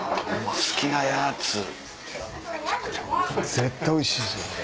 絶対おいしいですよこれ。